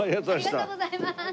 ありがとうございます。